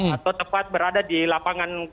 atau tepat berada di lapangan